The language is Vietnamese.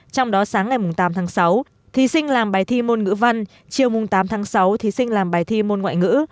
trong đó sáng ngày tám tháng sáu thí sinh làm bài thi môn ngữ văn chiều tám tháng sáu thí sinh làm bài thi môn ngoại ngữ